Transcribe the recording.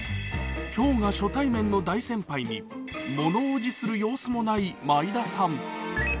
今日が初対面の大先輩に物おじする様子もない毎田さん。